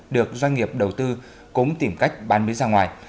được doanh nghiệp đầu tư cũng tìm cách bán mới ra ngoài